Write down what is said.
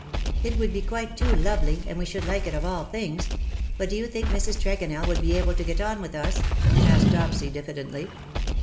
^'" It would be quite too lovely, and we should like it of all things ; but do you think Mrs. Tregonell would be able to get on with us V asked Dopsy, diffidently.